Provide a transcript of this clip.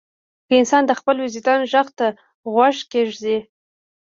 که انسان د خپل وجدان غږ ته غوږ کېږدي.